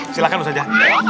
silahkan butet aja